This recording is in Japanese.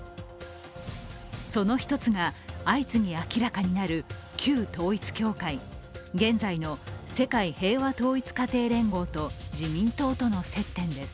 その１つが、相次ぎ明らかになる旧統一教会、現在の世界平和統一家庭連合と自民党との接点です。